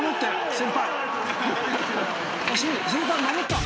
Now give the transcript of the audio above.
先輩守った！